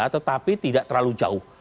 tetapi tidak terlalu jauh